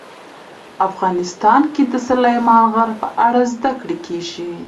افغانستان کې د سلیمان غر په اړه زده کړه کېږي.